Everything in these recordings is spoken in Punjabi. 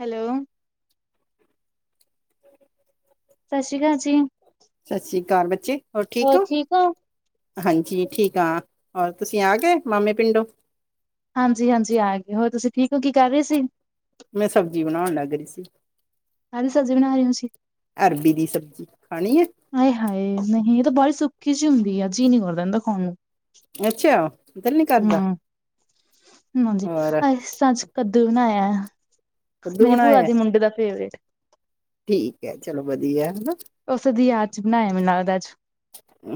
ਹੈਲੋ ਸਤਿ ਸ਼੍ਰੀ ਅਕਾਲ ਜੀ। ਸਤਿ ਸ੍ਰੀ ਅਕਾਲ ਬੱਚੇ, ਹੋਰ ਠੀਕ ਓਂ? ਹਾਂਜੀ। ਠੀਕ ਆਂ, ਹੋਰ ਤੁਸੀ ਆ ਗਏ, ਮਾਮੇ ਪਿੰਡੋ? ਹਾਂਜੀ-ਹਾਂਜੀ, ਆਗੇ। ਹੋਰ, ਤੁਸੀਂ ਠੀਕ ਹੋਂ, ਕੀ, ਕਰ ਰਹੇ ਸੀ? ਮੈਂ ਸਬਜ਼ੀ ਬਣਾਉਣ ਲੱਗ ਰਹੀ ਸੀ। ਕਾਦੀ ਸਬਜ਼ੀ ਬਣਾ ਰਹੋਂ ਤੁਸੀ? ਅਰਬੀ ਦੀ ਸਬਜ਼ੀ। ਖਾਣੀ ਏ? ਆਏ-ਹਾਏ! ਨਹੀਂ, ਇਹ ਤਾਂ ਬਾਲੀ ਸੁੱਕੀ ਜੀ ਹੁੰਦੀ ਆ, ਜੀ ਨਹੀਂ ਕਰਦਾ ਇੰਦਾ ਖਾਣ ਨੂੰ। ਅੱਛਾ! ਦਿਲ ਨੀ ਕਰਦਾ? ਹੂੰ, ਹਾਂਜੀ, ਹੋਰ ਅਸੀਂ ਤਾਂ ਅੱਜ ਕੱਦੂ ਬਣਾਇਆ। ਕੱਦੂ ਮੇਰੀ ਭੂਆ ਬਣਾਇਆ ਦੇ ਮੁੰਡੇ ਦਾ ਫੇਵਰੇਟ। ਠੀਕ ਐ, ਚਲੋ ਵਧੀਆ, ਹਨਾ! ਓਸੇ ਦੀ ਯਾਦ'ਚ ਬਣਾਇਆ, ਮੈਨੂੰ ਲਗਦਾ ਅੱਜ!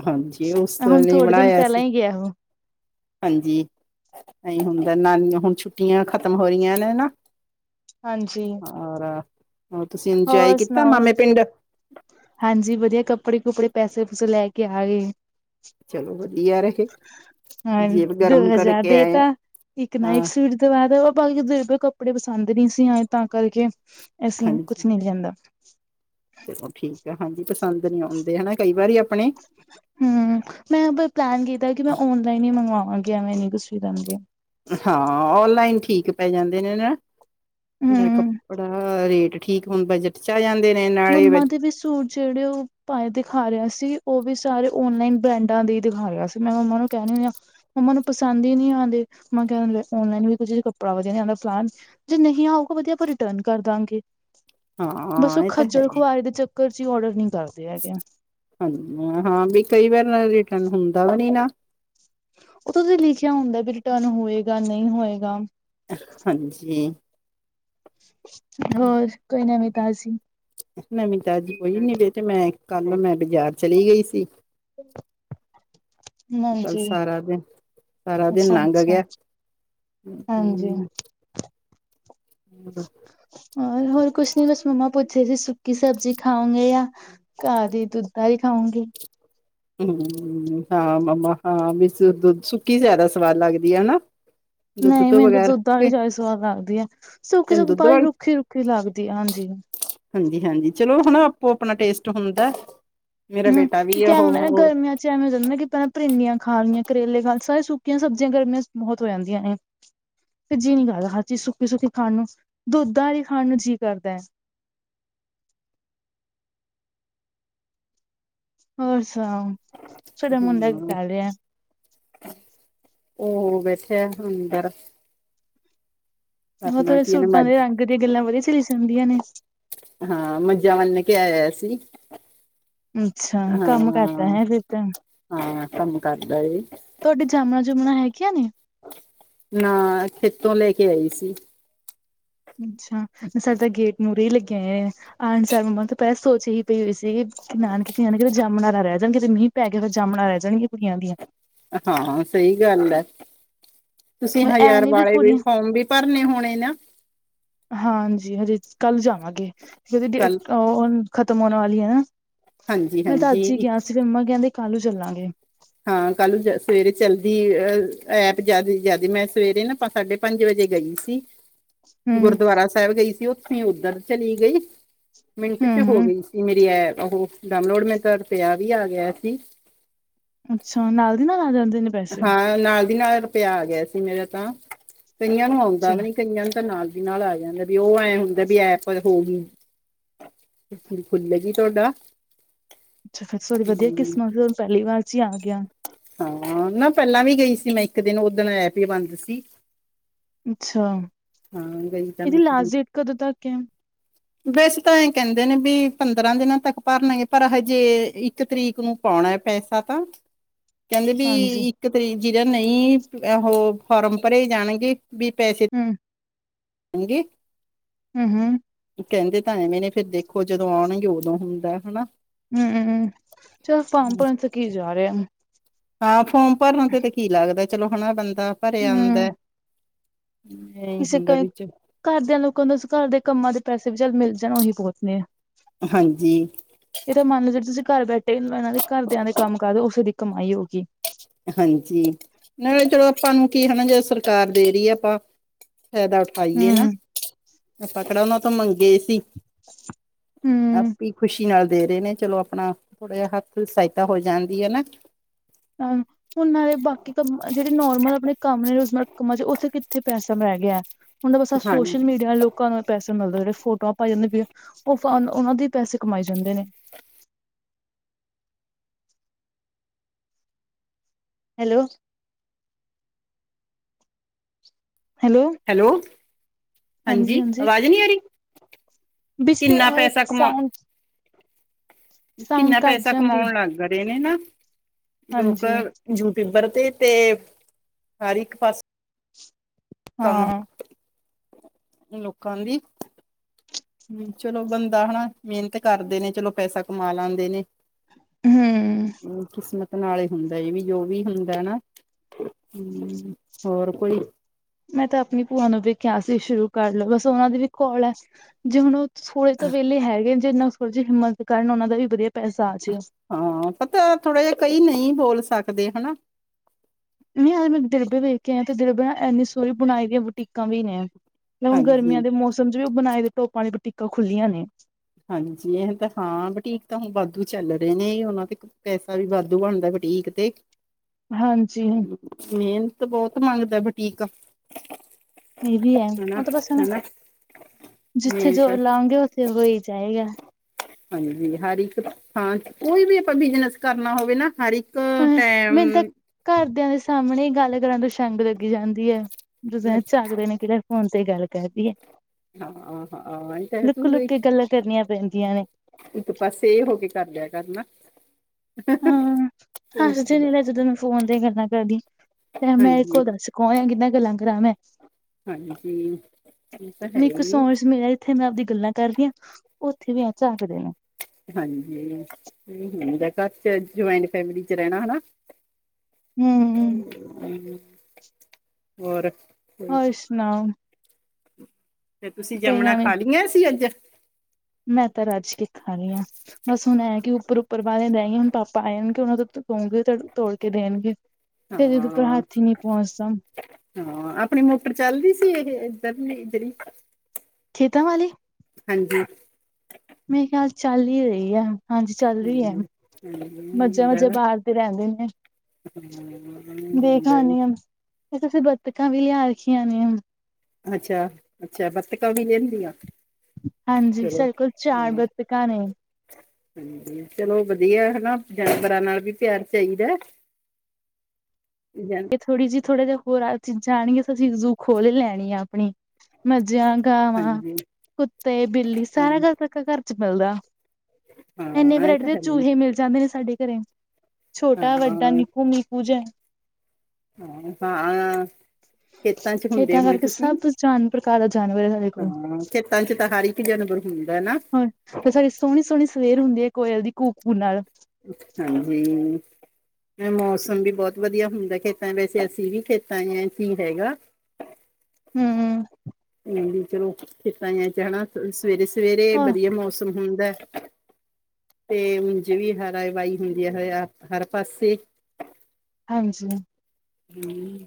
ਹਾਂਜੀ, ਉਸ ਹੁਣ ਲਈ ਥੋੜੇ ਦਿਨ ਬਣਾਇਆ ਪਹਿਲਾਂ ਸੀ, ਹੀ ਗਿਆ ਉਹ। ਹਾਂਜੀ! ਐਂਈ ਹੁੰਦਾ, ਨਾਨੀ ਹੁਣ ਛੁੱਟੀਆਂ ਖਤਮ ਹੋ ਰਹੀਆਂ ਨੇ, ਨਾ। ਹਾਂਜੀ। ਹੋਰ, ਉਹ ਤੁਸੀਂ ਇੰਜੋਏ ਹੋਰ ਕੀਤਾ, ਸੁਣਾਓ? ਮਾਮੇ ਪਿੰਡ? ਹਾਂਜੀ, ਵਧੀਆ, ਕੱਪੜੇ-ਕੁਪੜੇ ਪੈਸੇ-ਪੂਸੇ ਲੈਕੇ ਆਗੇ। ਚਲੋ ਵਧੀਆ ਰਹੇ ਹਾਂ, ਜੇਬ ਗਰਮ ਦੋ-ਹਜ਼ਾਰ ਕਰਕੇ ਦੇ ਆਏ ਤਾ, ਇੱਕ ਹਾਂ ਨਾਈਟ ਸੂਟ। ਦਵਾਦੋ, ਓ ਭਾਈ ਦੇ ਕੱਪੜੇ ਪਸੰਦ ਨਹੀਂ ਸੀ ਆਏ, ਤਾਂ ਕਰਕੇ ਅਸੀਂ ਹਾਂਜੀ ਕੁਛ ਨਹੀਂ ਲਿਆਂਦਾ। ਚਲੋ ਠੀਕ ਆ, ਹਾਂਜੀ, ਪਸੰਦ ਨਹੀਂ ਆਉਂਦੇ, ਹਨਾ, ਕਈ ਵਾਰੀ ਆਪਣੇ। ਹੂੰ, ਮੈਂ ਬਸ ਪਲੈਨ ਕੀਤਾ ਕਿ, ਮੈਂ ਔਨਲਾਈਨ ਹੀ ਮੰਗਵਾਵਾਂਗੀ, ਐਂਵੇ ਨਹੀ‌ ਪਸੰਦ ਆਂਦੇ ਆ। ਹਾਂ, ਔਨਲਾਈਨ ਠੀਕ ਪੈ ਜਾਂਦੇ ਨੇ ਨਾ, ਨਾਲੇ ਕੱਪ ਹਮ ਪੜਾ, ਰੇਟ ਠੀਕ ਹੁੰ ਬਜ ਆ ਜਾਂਦੇ ਨੇ, ਨਾ ਮੰਮਾ ਦੇ ਵੀ ਸੂਟ ਜਿਹੜੇ ਉਹ ਭਾਏ ਦਿਖਾ ਰਿਹਾ ਸੀ, ਉਹ ਵੀ ਸਾਰੇ ਓਨਲਾਈਨ ਬ੍ਰੈਂਡਾਂ ਦੇ ਦਿਖਾ ਈ ਰਿਹਾ ਸੀ। ਮੈਂ ਮੰਮਾ ਨੂੰ ਕਹਿਣੀ ਹੁੰਨੀ ਆ ਮੰਮਾ ਨੂੰ ਪਸੰਦ ਹੀ ਨਹੀਂ ਆਂਦੇ, ਮਾਂ ਕਹਿ ਦਿੰਦੇ ਔਨਲਾਈਨ ਵੀ ਕੁੱਝ ਕੱਪੜਾ ਵਧਿਆ ਨੀ ਆਂਦਾ ਫਲਾਣ ਜੇ ਨਹੀਂ ਆਊਗਾ ਵਧੀਆ, ਆਪਾ ਰਿਟਰਨ ਕਰਦਾਂਗੇ। ਹਾਂ, ਇਹ ਤਾਂ ਹੈ ਹੀ ਖੱਜਲ-ਖੁਆਰੀ ਦੇ ਚੱਕਰ-ਚ ਔਰਡਰ ਨਹੀਂ ਕਰਦੇ ਹੈਗੇ। ਹਾਂਜੀ, ਹਾਂ ਵੀ, ਕਈ ਵਾਰ ਰਿਟਰਨ ਹੁੰਦਾ ਵੀ, ਨੀ ਨਾ। ਓਹ ਤਾ ਦੀ ਲਿਖਿਆ ਹੁੰਦਾ, ਵੀ ਰਿਟਰਨ ਹੋਏਗਾ, ਨਹੀਂ ਹੋਏਗਾ। ਹਾਂਜੀ! ਹੋਰ, ਕੋਈ ਨਵੀ-ਤਾਜ਼ੀ? ਨਵੀਂ-ਤਾਜ਼ੀ ਕੋਈ ਨੀ, ਬੇਟੇ, ਮੈਂ ਕੱਲ, ਮੈਂ ਬਜ਼ਾਰ ਚਲੀ ਗਈ ਸੀ ਕੱਲ ਹਾਂਜੀ ਸਾਰਾ ਦਿਨ, ਸਾਰਾ ਦਿਨ ਅੱਛਾ ਲੰਘ ਅੱਛਾ ਗਿਆ। ਅਂ, ਹਾਂਜੀ ਊਂ। ਹੋਰ, ਹੋਰ ਕੁਛ ਨੀ, ਬਸ ਮੰਮਾ ਪੁੱਛ ਰਹੇ ਸੀ, ਸੁੱਕੀ ਸਬਜ਼ੀ ਖਾਓਂਗੇ, ਯਾ ਘਾਹ ਦੀ ਦੁੱਧਾਦੀ ਖਾਓਂਗੇ? ਹੂੰ, ਹਾਂ ਮੰਮਾ, ਹਾਂ ਵੀ, ਦੁੱਧ, ਸੁੱਕੀ ਜ਼ਿਆਦਾ ਸਵਾਦ ਲੱਗਦੀ ਹੈ, ਹਨਾ? ਦੁੱਧ ਨਹੀਂ, ਤੋਂ ਮੈਨੂੰ ਤਾਂ ਬਗੈਰ ਦੁੱਧ ਆਲੀ ਜ਼ਿਆਦੀ ਸਵਾਦ ਲੱਗਦੀ ਆ, ਸੁੱਕੀ ਤੈਨੂੰ ਸੁੱਕੀ ਦੁੱਧ ਬਾਰੀ ਵਾਲੀ ਰੁੱਖੀ-ਰੁੱਖੀ ਲੱਗਦੀ ਆ, ਹਾਂਜੀ। ਹਾਂਜੀ-ਹਾਂਜੀ, ਚਲੋ ਹਣਾ, ਆਪੋ-ਆਪਣਾ ਟੇਸਟ ਹੁੰਦਾ। ਮੇਰਾ ਹੂੰ, ਬੇਟਾ ਤੇ ਵੀ ਉਹ ਕਿਆ ਹੋ ਨਾ ਗਰਮੀਆਂ'ਚ ਹੋ ਜਾਂਦਾ ਨਾ ਕਿ, ਪਹਿਲਾਂ ਪਰਿੰਡੀਆਂ ਖਾਲੀਆਂ, ਕਰੇਲੇ ਖਾਲੇ, ਸਾਰੇ ਸੁੱਕੀਆਂ ਸਬਜ਼ੀਆਂ ਗਰਮੀਆਂ'ਚ ਬਹੁਤ ਹੋ ਜਾਂਦੀਆਂ ਨੇ। ਤੇ, ਜੀਅ ਨੀ ਕਰਦਾ ਹਰ ਚੀਜ਼ ਸੁੱਕੀ-ਸੁੱਕੀ ਖਾਣ ਨੂੰ, ਦੁੱਧ ਵਾਲੀ ਖਾਣ ਨੂੰ ਜੀਅ ਕਰਦਾ ਐ‌। ਹੋਰ ਸੁਣਾਓ। ਸਾਡਾ ਮੁੰਡਾ ਕੀ ਹਮ, ਕਰ ਰਿਹਾ ਉਹ ਬੈਠਿਆ ਅੰਦਰ। ਉਹ ਆਪਣਾ ਥੋੜੇ ਕੀ ਇਹਨੇ ਸੂਟਾਂ ਮੱਝ ਦੇ ਰੰਗ ਦੀਆਂ ਗੱਲਾਂ ਵਧੀਆ ਸਲੀ ਸੁਦੀਆਂ ਨੇ। ਹਾਂ, ਮੱਝਾਂ ਵੱਲ ਨੇ ਕਿਆਇਆ ਸੀ। ਅੱਛਾ! ਹਾਂ ਕੰਮ ਕਰਦਾ ਹੈ ਫਿਰ ਤਾਂ। ਹਾਂ, ਕੰਮ ਕਰਦਾ ਏ! ਤੁਹਾਡੀ ਜਾਮਣਾ-ਜੁਮਣਾ ਹੈਗੀ ਆ ਨੀ? ਨਾ, ਖੇਤੋਂ ਲੈ ਕੇ ਆਈ ਸੀ! ਅੱਛਾ! ਸਾਡੇ ਤਾਂ ਗੇਟ ਮੂਹਰੇ ਹੀ ਲੱਗਿਆ। ਆਣਸ ਮੰਮਾ ਤਾਂ ਪਹਿਲ ਸੋਚ ਹੀ ਪਈ ਹੋਈ ਸੀ। ਤੇ ਨਾਨਕੇਤੇ ਜਾਮਣਾ ਰਹਿ ਜਾਣ ਕਿਤੇ ਮੀਂਹ ਪੈ ਕੇ ਫਿਰ ਜੰਮਣ ਰਹਿ ਜਾਣਗੀਆਂ ਕੁੜੀਆਂ ਦੀਆਂ ਹਾਂ ਸਹੀ ਗੱਲ ਆ ਤੁਸੀਂ ਐ ਹਜ਼ਾਰ ਨੀ ਵਾਲੇ ਵੀ ਕੁੜੀਆਂ ਫੋਰਮ ਵੀ ਭਰਨੇ ਹੋਣੇ ਨਾ। ਹਾਂਜੀ, ਹਜੇ ਕੱਲ ਜਾਵਾਂਗੇ ਜਦੀੇ ਕੱਲ ਉਹ ਖ਼ਤਮ ਹੋਣ ਵਾਲੀ ਹੈ। ਹਾਂਜੀ ਮੈਂ ਤਾਂ ਅੱਜ ਹੀ ਹਾਂਜੀ ਗਿਆ ਸੀ ਮੰਮਾ ਕਹਿੰਦੇ ਕੱਲੂ ਚੱਲਾਂਗੇ। ਹਾਂ ਕੱਲ ਸਵੇਰੇ ਚਲਦੀ ਐਪ ਜਿਆਦਾ ਜ਼ਿਆਦਾ ਮੈਂ ਸਵੇਰੇ ਨਾ ਸਾਢੇ ਪੰਜ ਵਜੇ ਗਈ ਸੀ??? [unintelligible] ਹੂੰ ਗੁਰਦੁਆਰਾ ਸਾਹਿਬ ਗਈ ਸੀ ਉੱਥੋਂ ਉਧਰ ਚਲੀ ਗਈ, ਮਿੰਟ ਚ ਹੂੰ ਹੋ ਹੂੰ ਗਈ ਸੀ ਮੇਰੀ ਐ ਉਹ ਡਾਮਲੋਡ ਮੇ ਤਾਂ ਰੁਪਇਆ ਵੀ ਆ ਗਿਆ ਸੀ ਅੱਛਾ, ਨਾਲ ਦੀ ਨਾਲ ਆ ਜਾਂਦੇ ਨੇ ਪੈਸੇ ਹਾਂ ਨਾਲ ਦੀ ਨਾਲ ਰੁਪਿਆ ਆ ਗਿਆ ਸੀ ਮੇਰਾ ਤਾਂ, ਕਈਆਂ ਨੂੰ ਆਉਂਦਾ ਅੱਛਾ ਵੀ ਨਹੀਂ। ਕਈਆਂ ਤਾਂ ਨਾਲ ਵੀ ਨਾਲ ਆ ਜਾਂਦਾ ਵੀ ਉਹ ਐਂ ਹੁੰਦਾ ਵੀ ਐਪ ਹੋ ਗਈ ਖੁੱਲਗੀ ਤੁਹਾਡਾ ਅੱਛਾ ਫਿਰ ਤੁਹਾਡੀ ਵਧੀਆ ਹੂੰ, ਕਿਸਮਤ ਪਹਿਲੀ ਵਾਰ ਚ ਹੀ ਆ ਗਿਆ ਹਾਂ, ਨਾ ਪਹਿਲਾਂ ਵੀ ਗਈ ਸੀ ਮੈਂ ਇੱਕ ਦਿਨ ਉਦਣ ਐਪ ਬੰਦ ਸੀ ਅੱਛਾ, ਹਾਂ ਗਈ ਤਾਂ ਮੈਂ ਇਹਦੀ ਇੱਕ ਦਿਨ ਲਾਸਟ ਡੇਟ ਕਦੋਂ ਤੱਕ [inaudible] ਵੈਸੇ ਤਾਂ ਇਹ ਕਹਿੰਦੇ ਨੇ ਵੀ ਪੰਦਰਾਂ ਦਿਨਾਂ ਤੱਕ ਭਰਲਾਂਗੇ ਪਰ ਹਜੇ ਇੱਕ ਤਰੀਕ ਨੂੰ ਪਾਉਣਾ ਪੈਸਾ ਤਾਂ ਕਹਿੰਦੇ ਹਾਂਜੀ ਵੀ ਇੱਕ ਤਰੀਕ ਜਿਹੜਾ ਨਹੀਂ ਉਹ ਫਾਰਮ ਭਰੇ ਜਾਣਗੇ ਵੀ ਪੈਸੇ ਹਮ ਹਾਂਜੀ ਹਮ -ਹਮ ਕਹਿੰਦੇ ਤਾਂ ਐਵੇਂ ਨੇ ਫਿਰ ਦੇਖੋ ਜਦੋਂ ਆਉਣਗੇ ਉਦੋਂ ਹੁੰਦਾ ਹਨਾ ਹਮ -ਹਮ ਚਲ ਫਾਰਮ ਭਰਨ ਤੇ ਕੀ ਜਾ ਰਿਹਾ ਹਾਂ ਫੋਮ ਭਰਨ ਤੇ ਤੇ ਕੀ ਲੱਗਦਾ ਚਲੋ ਹਣਾ ਬੰਦਾ ਭਰਿਆ ਆਉਂਦਾ ਨਹੀਂ ਕਿਸੇ ਹੁੰਦਾ ਕ ਵਿੱਚ ਘਰਦਿਆਂ ਲੋਕਾਂ ਨੂੰਸੀਂ ਘਰ ਦੇ ਕੰਮਾਂ ਦੇ ਪੈਸੇ ਵੀ ਚੱਲ ਮਿਲ ਜਾਣ ਉਹੀ ਬਹੁਤ ਆ ਹਾਂਜੀ ਇਹ ਤਾਂ ਮੰਨ ਲਓ ਜਿਹੜੇ ਤੁਸੀਂ ਘਰ ਬੈਠੇ ਇਹਨਾਂ ਦੇ ਘਰਦਿਆਂ ਦੇ ਕੰਮ ਕਰ ਦੋ ਉਸੇ ਦੀ ਕਮਾਈ ਹੋਊਗੀ ਹਾਂਜੀ, ਨਾਲੇ ਚਲੋ ਆਪਾਂ ਨੂੰ ਕੀ ਹਨਾ ਜੇ ਸਰਕਾਰ ਦੇ ਰਹੀ ਹੈ। ਆਪਾਂ ਫਾਇਦਾ ਉਠਾਈਏ ਨਾ, ਹੂੰ ਆਪਾਂ ਕਿਹੜਾ ਉਹਨਾਂ ਤੋਂ ਮੰਗੇ??? ਹੂੰ [unintelligible] ਵੀ ਖੁਸ਼ੀ ਨਾਲ ਦੇ ਰਹੇ ਨੇ ਚਲੋ ਆਪਣਾ ਥੋੜਾ ਜਿਹਾ ਹੱਥ ਸਹਾਇਤਾ ਹੋ ਜਾਂਦੀ ਹੈ। ਨਾ ਉਹ ਨਾਲੇ ਬਾਕੀ ਕੰਮ ਜਿਹੜੇ ਨੋਰਮਲ ਆਪਣੇ ਕੰਮ ਨੇ ਰੋਜ਼ਮਾਰ ਕੰਮ ਚ ਉੱਥੇ ਕਿੱਥੇ ਪੈਸਾ ਬੈ ਗਿਆ, ਹੁਣ ਤਾਂ ਬਸ ਸੋਸ਼ਲ ਹਾਂਜੀ ਮੀਡੀਆ ਲੋਕ ਲੋਕਾਂ ਨੂੰ ਇਹ ਪੈਸੇ ਮਿਲਦੇ ਜਿਹੜੇ ਫੋਟੋਆਂ ਪਾਈ ਜਾਂਦੇ ਉਹ ਫ ਉਹਨਾਂ ਦੀ ਪੈਸੇ ਕਮਾਈ ਜਾਂਦੇ ਨੇ ਹੈਲੋ ਹੈਲੋ, ਹਾਂਜੀ ਅਵਾਜ਼ ਨਹੀਂ ਆ ਰਹੀ ਕਿੰਨਾ ਪੈਸਾ ਕਮਾ [unintelligible] ਸਾਊਂਡ ਕਿੰਨਾ ਘੱਟ ਪੈਸਾ, ਜਾਂਦੀ ਕਮਾਉਣ ਲੱਗ ਰਹੇ ਨੇ ਨਾ। ਲੋਕ, ਹਾਂਜੀ ਯੂਟਿਊਬਰ ਤੇ, ਤੇ ਹਰ ਇੱਕ ਪਾਸੇ ਕੰਮ, ਹਾਂ ਲੋਕਾਂ ਦੀ ਲਈ ਚਲੋ, ਬੰਦਾ ਹਨਾ ਮਿਹਨਤ ਕਰਦੇ ਨੇ, ਚਲੋ ਪੈਸਾ ਕਮਾ ਲੈਂਦੇ ਨੇ। ਹਮ ਕਿਸਮਤ ਨਾਲ ਹੀ ਹੁੰਦਾ ਇਹ ਵੀ ਜੋ ਵੀ ਹੁੰਦਾ ਨਾ ਹਮ, ਹੋਰ ਕੋਈ? ਮੈਂ ਤਾਂ ਆਪਣੀ ਭੂਆ ਨੂੰ ਵੀ ਕਿਹਾ ਸੀ, ਸ਼ੁਰੂ ਕਰ ਲਵੋ, ਬਸ ਉਹਨਾਂ ਦੀ ਵੀ ਕੋਲ ਹੈ। ਜੇ ਹੁਣ ਥੋੜ੍ਹੇ ਤਾਂ ਵਿਹਲੇ ਹੈਗੇ, ਜੇਨ ਹੀ ਹਿੰਮਤ ਕਰਨ ਉਹਨਾ ਦਾ ਵੀ ਵਧੀਆ ਪੈਸਾ ਆ ਜ਼ੇ ਹਾਂ, ਪਤਾ ਥੋੜ੍ਹਾ ਜਿਹਾ, ਕਈ ਨਹੀਂ ਬੋਲ ਸਕਦੇ ਹਨਾ। [unintelligible] ਮੈਂ ਦਿਰਬੇ ਵੇਖ ਕੇ ਆਈ, ਤੇ ਦਿਰਬੇ ਨਾ ਏਨੀ ਸੋਹਣੀ ਬਣਾਈ ਦੀਆਂ ਬੁਟੀਕਾਂ ਨੇ। ਤੇ ਹੁਣ, ਗਰਮੀਆਂ ਹਾਂਜੀ ਦੇ ਮੌਸਮ ਚ ਵੀ ਉਹ ਬੁਣਾਈ ਦੇ ਟੋਪਾਂ ਦੀ ਬੁਟੀਕਾਂ ਖੁੱਲ੍ਹੀਆਂ ਨੇ। ਹਾਂਜੀ, ਏਹ ਤਾਂ, ਹਾਂ, ਬੁਟੀਕ ਤਾਂ ਹੁਣ ਵਾਧੂ ਚੱਲ ਰਹੇ ਨੇ, ਉਹਨਾਂ ਤੇ ਪੈਸਾ ਵੀ, ਵਾਧੂ ਬਣਦਾ ਬਟੀਕ ਤੇ। ਹਾਂਜੀ। ਮਿਹਨਤ, ਬਹੁਤ ਮੰਗਦਾ ਬਟੀਕ। ਇਹ ਵੀ ਐ। ਉਹ ਤਾਂ ਬਸ, ਹਨਾ ਜਿੱਥੇ ਜੋਰ ਮਿਹਨਤ ਲਾਉਂਗੇ, ਉੱਥੇ ਹੋ ਈ ਜਾਏਗਾ। ਹਾਂਜੀ, ਹਰ ਇੱਕ ਥਾਂ ਚ, ਕੋਈ ਵੀ ਅਪਾਂ ਬਿਜਨਸ ਕਰਨਾ ਹੋਵੇ ਨਾ, ਹਰ ਇੱਕ ਹ ਟੈਮ ਮੈਨੂੰ ਤਾਂ ਘਰਦਿਆਂ ਦੇ ਸਾਹਮਣੇ ਈ, ਗੱਲ ਕਰਨ ਤੋਂ ਸ਼ੰਗ ਲੱਗੀ ਜਾਂਦੀ ਐ। ਜਦ ਐੰ ਝਾਕਦੇ ਨੇ, ਕਿਹਦੇ ਫੋਨ, ਤੇ ਗੱਲ ਕਰਦੀ ਐ? [unintelligible] ਹਾਂ, ਹਾਂ, ਏਹ ਤੇ ਹੈ, ਤੂੰ ਵੀ ਕੇ ਗੱਲਾਂ ਕਰਨੀਆਂ ਪੈਂਦੀਆਂ ਨੇ ਇੱਕ ਪਾਸੇ ਏ ਹੋ ਕੇ, ਕਰ ਲਿਆ ਕਰ ਨਾ। ਹਾਂ। ਹੱਸਦੇ ਨੇ [inaudible] ਜਦੋਂ ਮੈਂ ਫੋਨ ਤੇ ਗੱਲਾਂ ਕਰਦੀ, ਤੇ ਮੈਂ ਇੱਕੋ ਹਾਂਜੀ ਦੱਸ, ਕੌਣ ਹੈ ਕਿੱਦਾਂ ਗੱਲਾਂ ਕਰਾਂ ਮੈਂ? ਹਾਂਜੀ, ਇਹ ਤਾਂ ਹੈ ਈ ਹੈ। ਤੇ, ਮੈਂ ਆਪਦੀ ਗੱਲਾਂ ਕਰਦੀ ਆਂ, ਉੱਥੇ ਵੀ ਐ ਝਾਕਦੇ ਨੇ। ਹਾਂਜੀ, ਇਹ ਹੁੰਦਾ। ਘਰ ਚ ਜੁਆਇੰਟ ਫੈਮਿਲੀ ਚ ਰਹਿਣਾ, ਹਨਾ? ਹੂੰ ਹੋਰ। ਹੋਰ, ਸੁਣਾਉ? ਤੇ, ਤੁਸੀਂ ਜਾਮਣਾਂ, ਨਵੀਂ ਖਾ ਲਈਆਂ ਸੀ ਅੱਜ? ਮੈਂ ਤਾਂ, ਰੱਜ ਕੇ ਖਾ ਲਈਆਂ। ਬਸ, ਹੁਣ ਐਂ ਕਿ ਉੱਪਰ-ਉੱਪਰ ਬਾਲੇ ਰਹਿ ਗਈਆਂ, ਹੁਣ ਪਾਪਾ ਆ ਜਾਣਗੇ, ਉਹਨਾਂ ਕਹੂੰਗੀ ਤੋੜ ਕੇ ਦੇਣਗੇ। ਫਿਰ, ਜਦ ਉੱਪਰ ਹਾਂ ਹੱਥ ਹੀ, ਨਹੀਂ ਪਹੁੰਚਦਾ। ਹਾਂ, ਆਪਣੀ ਮੋਟਰ ਚੱਲ ਰਹੀ ਸੀ, ਇਹ, ਇਧਰਲੀ ਇਧਰ ਹੀ। ਖੇਤਾਂ ਵਾਲੀ? ਹਾਂਜੀ। ਮੇਰੇ, ਖਿਆਲ ਚੱਲ ਈ ਰਹੀ ਆ। ਹਾਂਜੀ ਚੱਲ ਰਹੀ ਐ। ਹਾਂਜੀ ਹਾਂਜੀ ਹੁੰਦਾ ਮਜੇ-ਮਜੇ ਨਾ ਬਾਹਰ ਤੇ ਰਹਿੰਦੇ ਨੇ। [unintelligible] ਤੇ ਤੁਸੀਂ ਬੱਤਕਾਂ ਵੀ ਲਿਆ ਰੱਖੀਆਂ ਨੇ? ਅੱਛਾ, ਅੱਛਾ, ਬੱਤਕਾਂ ਵੀ ਲੇਦੀਆਂ। ਹਾਂਜੀ, ਸਾਡੇ ਕੋਲ ਚਾਰ ਬੱਤਕਾਂ ਨੇ। ਚਲੋ, ਵਧੀਆ, ਹਨਾ ਜਾਨਵਰਾਂ ਨਾਲ ਵੀ ਪਿਆਰ ਚਾਹੀਦਾ। [unintelligible] ਥੋੜ੍ਹੀ ਜਿ ਥੋੜਾ ਜਾਂ ਹੋਰ ਚੀਜ਼ਾਂ ਆਣਗੀਆਂ, ਤਾਂ ਅਸੀਂ ਜੂ ਖੋਲ੍ਹ ਈ ਲੈਣੀ ਆ ਆਪਣੀ। ਮੱਝਾ-ਗਾਵਾਂ, ਹਾਂਜੀ ਕੁੱਤੇ-ਬਿੱਲੀ, ਹਾਂਜੀ ਸਾਰਾ ਘਰ ਚ ਮਿਲਦਾ। ਇੰਨੇ ਹਾਂ ਇਹ ਵਰੈਟੀ ਤਾਂ ਦੇ, ਹੈ ਹੀ। ਚੂਹੇ ਮਿਲ ਜਾਂਦੇ ਨੇ, ਸਾਡੇ ਘਰੇ। ਹਾਂ ਛੋਟਾ-ਵੱਡਾ, ਨਿੱਕੂ- ਮਿੱਕੂ, ਜਿਹਾ ਹਾਂ। ਖੇਤਾਂ ਚ ਘੁੰਮਦੇ ਖੇਤਾਂ ਹੋ ਕਰਕੇ ਤੁਸੀਂ, ਸਭ ਜਾਨ ਪ੍ਰਕਾਰ ਦਾ ਜਾਨਵਰ ਹੈ ਸਾਡੇ ਕੋਲ ਹਾਂ? ਖੇਤਾਂ ਚ ਤਾਂ, ਹਰ ਇੱਕ ਜਾਨਵਰ ਹੁੰਦਾ ਨਾ। ਹਾਂ, ਤੇ ਸਾਡੀ ਸੋਹਣੀ-ਸੋਹਣੀ ਸਵੇਰ ਹੁੰਦੀ ਏ, ਕੋਇਲ ਦੀ ਕੂ-ਕੂ ਨਾਲ। ਹਾਂਜੀ। ਮੌਸਮ ਵੀ ਬਹੁਤ ਵਧੀਆ ਹੁੰਦਾ। ਖੇਤਾਂ ਵੈਸੇ ਅਸੀਂ ਵੀ ਖੇਤਾਂ [unintelligible] ਸੀ, ਹੈਗਾ। ਹੂੰ ਹੁੰ, ਚਲੋ। ਖੇਤਾਂ ਐ? ਜਾਣਾ ਸਵੇਰੇ? ਸਵੇਰੇ ਹੋਰ ਵਧੀਆ ਮੌਸਮ ਹੁੰਦਾ। ਤੇ, ਜਿਹੜੀ ਹਰਿਆਵਲ ਹੁੰਦੀ ਏ ਹਰ ਪਾਸੇ। ਹਾਂਜੀ।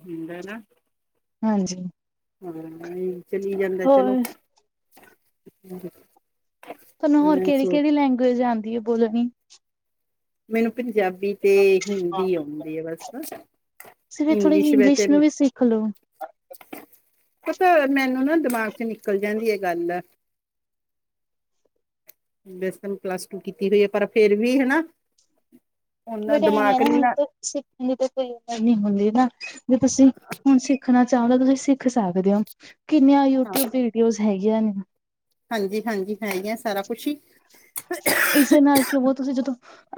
ਹੁੰਦਾ ਨਾ। ਹਾਂਜੀ ਹਾਂ ਚਲੀ ਜਾਂਦਾ ਚਲੋ ਹੋਰ ਤੁਹਾਨੂੰ ਹੋਰ ਮੈਂ ਕਿਹੜੀ ਸੋ -ਕਿਹੜੀ ਲੈਂਗੁਏਜ ਆਉਂਦੀ ਹੈ ਬੋਲਣੀ ਮੈਨੂੰ ਪੰਜਾਬੀ ਤੇ ਹਿੰਦੀ ਆਉਂਦੀ ਆ ਬਸ ਸਿਰ ਥੋੜੀ ਜਿਹੀ ਇੰਗਲਿਸ਼ ਨੂੰ ਵੀ ਸਿੱਖ ਲੋ ਪਤਾ ਮੈਨੂੰ ਨਾ ਦਿਮਾਗ ਚ ਨਿਕਲ ਜਾਂਦੀ ਇਹ ਗੱਲ ਆ ਵੈਸੇ ਤਾਂ ਪਲੱਸ ਟੂ ਕੀਤੀ ਹੋਈ ਹੈ ਪਰ ਫੇਰ ਵੀ ਹਨਾ ਓਨਾ ਬਟ ਐਵੇਂ ਦਿਮਾਗ ਨਾ ਨੀ ਹੁਣ ਸਿੱਖਣ ਦੀ ਤਾਂ ਕੋਈ ਉਮਰ ਨਹੀਂ ਹੁੰਦੀ ਨਾ ਵੀ ਤੁਸੀਂ ਹੁਣ ਸਿੱਖ ਸਿਖਣਾ ਚਾਹੁੰਦਾ ਤੁਸੀਂ ਸਿੱਖ ਸਕਦੇ ਹੋ ਕਿੰਨੀਆਂ ਹਾਂ ਯੂਟਿਊਬ ਵੀਡੀਓ ਹੈਗੀਆਂ ਨੇ ਹਾਂਜੀ- ਹਾਂਜੀ ਹੈਗ ਸਾਰਾ ਕੁਛ ਹੀ ਇਸਦੇ ਨਾਲ ਕਿ ਉਹ ਤੁਸੀਂ ਜਦੋਂ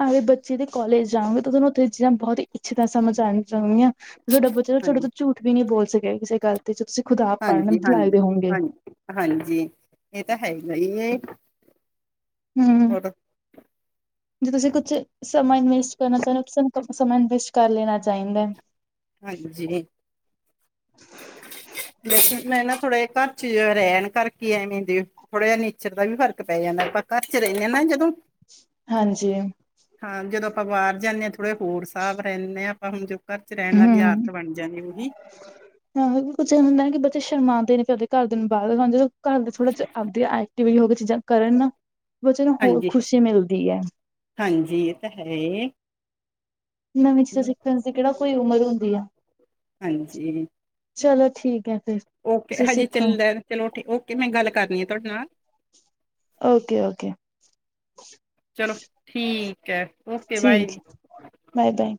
ਆਵੇ ਬੱਚੇ ਦੇ ਕੋਲੇਜ ਜਾਓਗੇ ਤੁਾਨੂੰ ਉੱਥੇ ਚੀਜ਼ਾ ਬਹੁਤ ਇੱਛੇ ਦਾ ਸਮਝ ਆਉਣ ਜਾਗ ਤੁਹਾਡਾ ਬਚਾ ਹਾਂਜੀ ਤੁਹਾਡੇ ਤੋਂ ਝੂਠ ਕਦੀ ਵੀ ਨਹੀਂ ਬੋਲ ਸਕੇਗਾ ਕਿਸੇ ਗੱਲ ਤੇ ਤੁਸੀਂ ਖੁਦਾਬ ਪੜ੍ਹਨ ਹਾਂਜੀ ਤੇ ਲਾਏਦੇ ਹਾਂਜੀ ਹੋਗੇ ਹਾਂਜੀ ਹਾਂਜੀ, ਇਹ ਤਾਂ ਹੈ ਹੀਗਾ ਹਮ [inaudible] ਜੇ ਤੁਸੀਂ ਕੁਛ ਸਮਾਂ ਇਨਵੇਸਟ ਕਰਨਾ ਚਾਹੁੰਦੇ ਹੋ ਸਾਨੂੰ ਸਮਾਂ ਇਨਵੇਸਟ ਕਰ ਲੈਣਾ ਚਾਹੀਦਾ ਹਾਂਜੀ ਮੈਂ ਨਾ ਥੋੜਾ ਘਰ ਚ ਰਹਿਣ ਕਰਕੇ ਆਵੇਦੇ ਥੋੜ੍ਹਾ ਜਿਹਾ ਨੇਚਰ ਦਾ ਵੀ ਫ਼ਰਕ ਪੈ ਜਾਂਦਾ, ਆਪਾਂ ਘਰ ਚ ਰਹਿੰਦੇ ਹਾਂ ਨਾ ਜਦੋਂ ਹਾਂਜੀ ਹਾਂ ਜਦੋਂ ਆਪਾਂ ਬਾਹਰ ਜਾਂਦੇ ਹਾਂ ਥੋੜ੍ਹੇ ਹੋਰ ਸਾਬ ਰਹਿੰਦੇ ਹਾਂ ਆਪਾਂ ਹੁਣ ਘਰ ਚ ਰਹਿਣ ਵਾਲੀ ਹਮ ਆਦਤ ਬਣ ਜਾਣੀ ਉਹਦੀ ਹਾਂ ਕੁਛ ਇਹ ਹੁੰਦਾ ਨਾ ਬੱਚੇ ਸ਼ਰਮਾਂਉਦੇ ਨੇ ਆਪਦੇ ਘਰ ਦੇ ਨੂੰ ਬਾਹਰਦੇ ਘਰ ਥੋੜਾ ਚਿਰ ਆਂਦੇ ਆਏ ਹੋ ਕੇ ਚੀਜ਼ਾਂ ਕਰਨ ਨਾ ਬੱਚਿਆਂ ਨੂੰ ਹੋਰ ਹਾਂਜੀ ਖੁਸ਼ੀ ਮਿਲਦੀ ਹੈ ਹਾਂਜੀ ਇਹ ਤਾਂ ਹੈ ਇਹਨਾ ਵਿਚ ਸਿੱਖਣ ਦੀ ਕਿਹੜਾ ਕੋਈ ਉਮਰ ਹੁੰਦੀ ਆ ਹਾਂਜੀ ਚਲੋ ਠੀਕ ਹੈ ਫਿਰ ਓਕੇ ਤੁਸੀਂ ਹਜੀ ਸਿੱਖੋ ਚੱਲਦਾ ਚਲੋ ਓਕੇ ਮੈਂ ਗੱਲ ਕਰਨੀ ਆ ਤੁਹਾਡੇ ਨਾਲ ਓਕੇ- ਓਕੇ ਚਲੋ ਠੀਕ ਹੈ ਓਕੇ ਠੀਕ, ਬਾਏ ਬਾਏ -ਬਾਏ